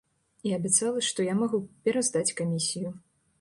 І абяцала, што я магу пераздаць камісію.